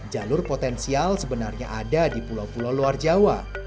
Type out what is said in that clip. jalur potensial sebenarnya ada di pulau pulau luar jawa